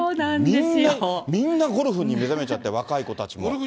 みんなゴルフに目覚めちゃって、若い子たちも。